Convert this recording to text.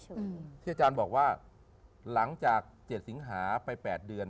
ที่อาจารย์บอกว่าหลังจาก๗สิงหาไป๘เดือน